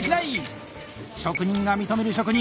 職人が認める職人